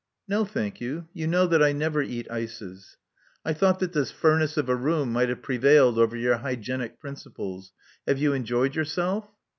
No, thank you. You know that I never eat ices." I thought that this furnace of a room might have prevailed over your hygienic principles. Have you enjoyed yourself?"